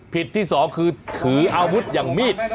ที่สองคือถืออาวุธอย่างมีด